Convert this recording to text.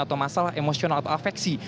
atau masalah emosional atau afeksi